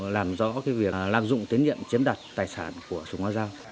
làm rõ việc lạc dụng tín nhiệm chiếm đoạt tài sản của sùng an giao